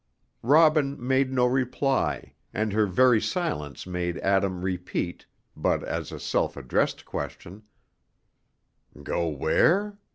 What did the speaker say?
Robin made no reply, and her very silence made Adam repeat, but as a self addressed question, "Go where?